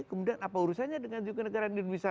kemudian apa urusannya dengan juga negara di indonesia